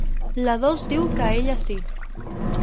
La Dols diu que a ella sí.